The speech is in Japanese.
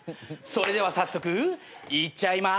それでは早速いっちゃいま。